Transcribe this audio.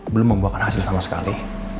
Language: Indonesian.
belum membuahkan hasil sama sekali